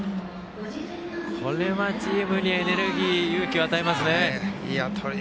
これはチームにエネルギー勇気を与えますね。